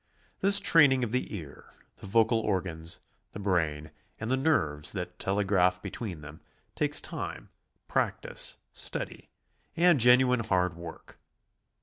This training of the ear, the vocal organs, the brain, and the nerves that telegraph be tween them, takes time, practice, study, and genuine hard work.